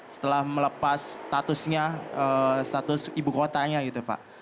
setelah melepas statusnya status ibu kotanya gitu pak